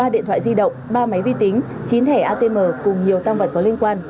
ba điện thoại di động ba máy vi tính chín thẻ atm cùng nhiều tăng vật có liên quan